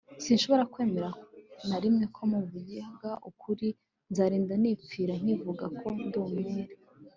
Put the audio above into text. sinshobora kwemera na rimwe ko muvuga ukuri, nzarinda nipfira nkivuga ko ndi umwere